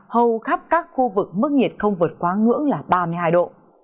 hầu khắp các khu vực mức nhiệt không vượt quá ngưỡng là ba mươi hai độ